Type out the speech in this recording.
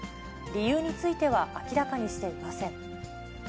理由については、明らかにしていません。